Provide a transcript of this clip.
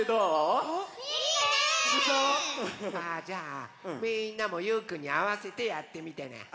じゃあみんなもゆうくんにあわせてやってみてね。